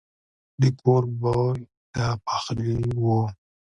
د کور بوی د پخلي وو.